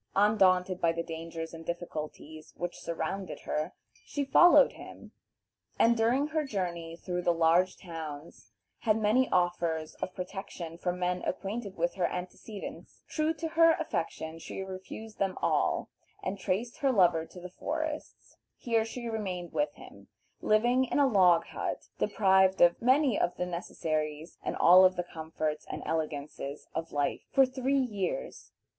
Undaunted by the dangers and difficulties which surrounded her, she followed him, and during her journey through the large towns had many offers of protection from men acquainted with her antecedents. True to her affection, she refused them all, and traced her lover to the forests. Here she remained with him, living in a log hut, deprived of many of the necessaries and all of the comforts and elegances of life, for three years.